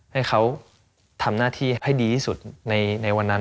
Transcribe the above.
ให้เขาทำหน้าที่ให้ดีที่สุดในวันนั้น